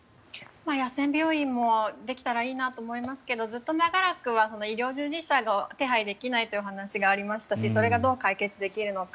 野戦病院もできたらいいなと思いますけどずっと長らく医療従事者が手配できないという話がありましたしそれがどう解決できるのか。